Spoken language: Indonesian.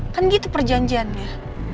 kan gitu perjanjiannya